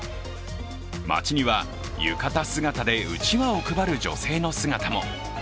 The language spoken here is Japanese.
街には浴衣姿でうちわを配る女性の姿も。